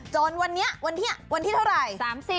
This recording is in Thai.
จนวันที่เท่าไหร่๓๐